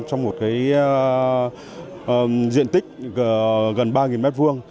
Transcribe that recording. trong một diện tích gần ba m hai